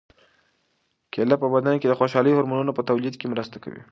کیله په بدن کې د خوشالۍ د هورمونونو په تولید کې مرسته کوي.